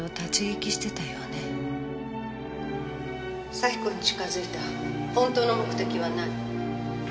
咲子に近づいた本当の目的は何？